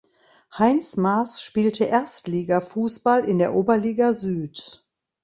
Heinz Maaß spielte Erstligafußball in der Oberliga Süd.